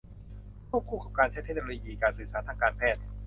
ควบคู่กับการใช้เทคโนโลยีการสื่อสารทางการแพทย์